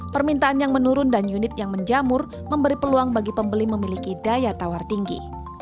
permintaan yang menurun dan unit yang menjamur memberi peluang bagi pembeli memiliki daya tawar tinggi